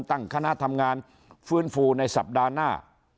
ตั้งคณะทำงานฟื้นฟูในสัปดาห์หน้า